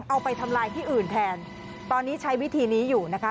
เอาไปทำลายที่อื่นแทนตอนนี้ใช้วิธีนี้อยู่นะคะ